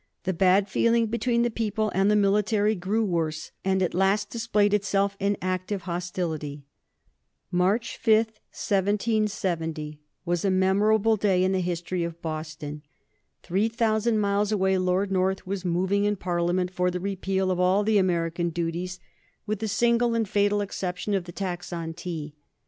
The bad feeling between the people and the military grew worse, and at last displayed itself in active hostility. March 5, 1770, was a memorable day in the history of Boston. Three thousand miles away Lord North was moving in Parliament for the repeal of all the American duties with the single and fatal exception of the tax on tea.